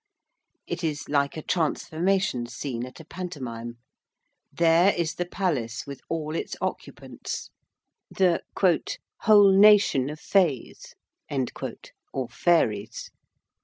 It is like a transformation scene at a pantomime. There is the palace with all its occupants the 'whole nation of Fays' or Fairies.